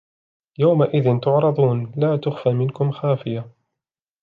يومئذ تعرضون لا تخفى منكم خافية